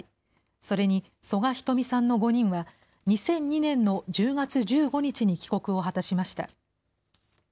それに曽我ひとみさんの５人は、２００２年の１０月１５日に帰国を果たしました。